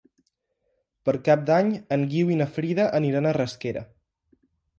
Per Cap d'Any en Guiu i na Frida aniran a Rasquera.